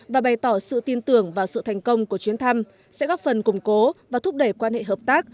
và bày tỏ sự tin tưởng vào sự thành công của chuyến thăm sẽ góp phần củng cố và thúc đẩy quan hệ hợp tác